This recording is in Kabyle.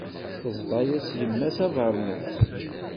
Teẓḍa-yas yemma-s abernus.